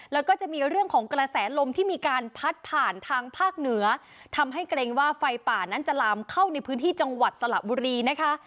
แล้วก็จะมีเรื่องของกระแสลมที่มีการพัดผ่านทางภาคเหนือทำให้เกรงว่าไฟป่านั้นจะลามเข้าในพื้นที่จังหวัดสระบุรีนะคะ